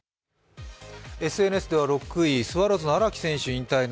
ＳＮＳでは６位、スワローズの荒木選手、引退。